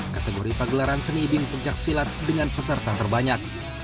kategori pagelaran seni iding pencaksilat dengan peserta terbanyak